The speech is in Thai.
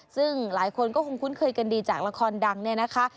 ซึ่งหลายคนก็คงคุ้นเคยกันดีจากละครดังเนี่ยนะคะ